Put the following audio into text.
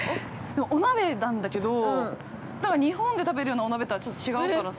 ◆お鍋なんだけど、日本で食べるようなお鍋とはちょっと違うからさ。